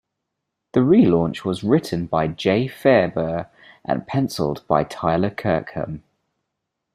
The relaunch was written by Jay Faerber and penciled by Tyler Kirkham.